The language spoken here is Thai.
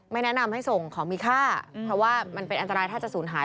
แนะนำให้ส่งของมีค่าเพราะว่ามันเป็นอันตรายถ้าจะสูญหาย